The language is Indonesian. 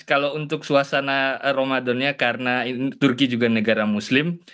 kalau untuk suasana ramadannya karena turki juga negara muslim